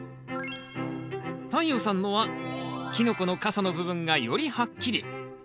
太陽さんのはキノコの傘の部分がよりはっきり。